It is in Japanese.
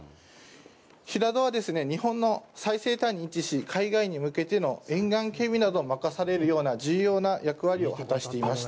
平戸は日本の最西端に位置し、海外に向けての沿岸警備などを任されるような重要な役割を果たしていました。